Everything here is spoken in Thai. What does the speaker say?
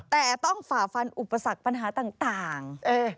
แต่ต้องฝ่าฟันอุปสรรคปัญหาต่าง